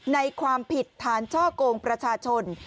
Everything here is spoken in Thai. ความผิดฐานช่อกงประชาชน